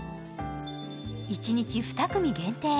一日２組限定。